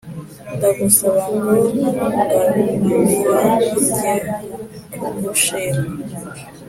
ndagusaba ngo nungabira njye kugushima